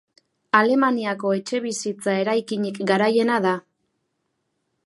Alemaniako etxebizitza eraikinik garaiena da.